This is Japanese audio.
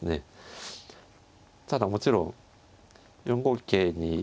ただもちろん４五桂に。